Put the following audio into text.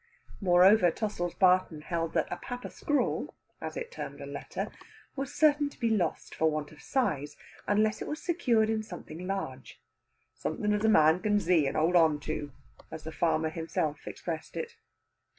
Moreover, Tossil's Barton held that a "papper scrawl," as it termed a letter, was certain to be lost for want of size, unless it were secured in something large, "something as a man can zee and hold on to," as the farmer himself expressed it.